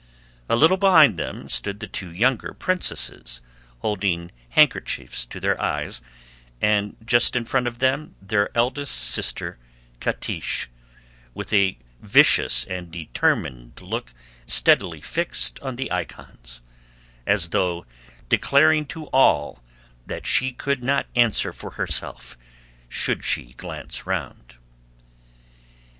A little behind them stood the two younger princesses holding handkerchiefs to their eyes, and just in front of them their eldest sister, Catiche, with a vicious and determined look steadily fixed on the icons, as though declaring to all that she could not answer for herself should she glance round.